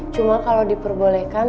cuma kalo diperbolehkan